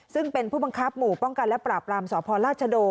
ซึ่งเป็นผู้บังคับหมู่ป้องกันและปราบรามสพราชโด